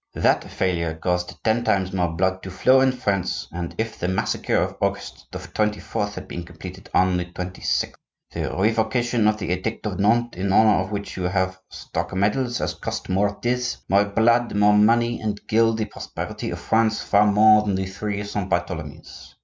That failure caused ten times more blood to flow in France than if the massacre of August 24th had been completed on the 26th. The revocation of the Edict of Nantes, in honor of which you have struck medals, has cost more tears, more blood, more money, and killed the prosperity of France far more than three Saint Bartholomews.